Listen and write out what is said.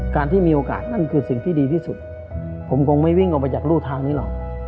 ที่มีโอกาสนั่นคือสิ่งที่ดีที่สุดผมคงไม่วิ่งออกไปจากรูทางนี้หรอก